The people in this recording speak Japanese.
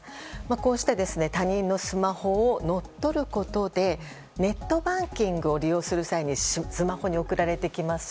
こうして他人のスマホを乗っ取ることでネットバンキングを利用する際にスマホに送られてきます